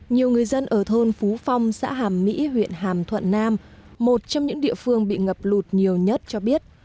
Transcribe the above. nhiều người dân ở thôn phú phong xã hàm mỹ huyện hàm thuận nam một trong những địa phương bị ngập lụt nhiều nhất cho biết